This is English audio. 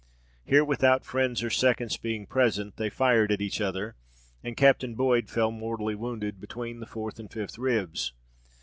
Here, without friends or seconds being present, they fired at each other, and Captain Boyd fell mortally wounded between the fourth and fifth ribs.